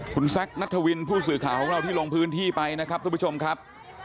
คุณแซคนัทวินผู้สื่อข่าวของเราที่ลงพื้นที่ไปนะครับทุกผู้ชมครับ